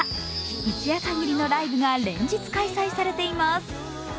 一夜かぎりのライブが連日、開催されています。